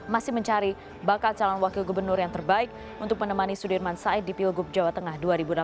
masih mencari bakal calon wakil gubernur yang terbaik untuk menemani sudirman said di pilgub jawa tengah dua ribu delapan belas